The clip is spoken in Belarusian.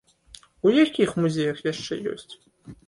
У якіх музеях яшчэ ёсць?